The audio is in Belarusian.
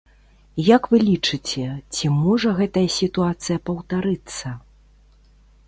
Як вы лічыце, ці можа гэтая сітуацыя паўтарыцца?